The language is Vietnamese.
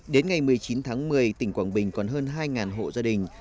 đến ngày một mươi chín tháng một mươi tỉnh quảng bình còn hơn hai hộ gia đình